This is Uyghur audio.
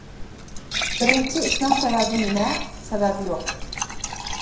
بىرىنچى ئىشنىڭ سەۋەبى نېمە؟ سەۋەبى يوق.